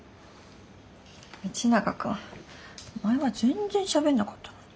道永君前は全然しゃべんなかったのに。